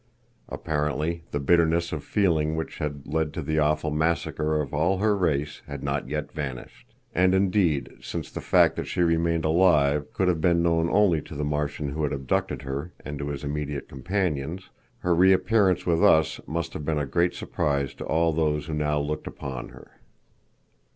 Apparently, the bitterness of feeling which had led to the awful massacre of all her race had not yet vanished. And, indeed, since the fact that she remained alive could have been known only to the Martian who had abducted her and to his immediate companions, her reappearance with us must have been a great surprise to all those who now looked upon her.